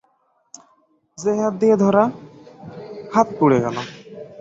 যেই হাত দিয়ে ধরা, হাত পুড়ে গেল।